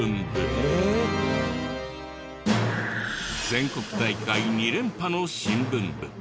全国大会２連覇の新聞部。